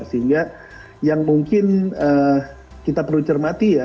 sehingga yang mungkin kita perlu cermati ya